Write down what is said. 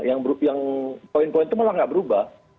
yang poin poin itu malah nggak berubah